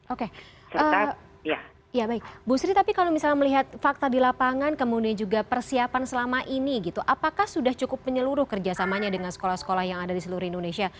oke ya baik bu sri tapi kalau misalnya melihat fakta di lapangan kemudian juga persiapan selama ini gitu apakah sudah cukup menyeluruh kerjasamanya dengan sekolah sekolah yang ada di seluruh indonesia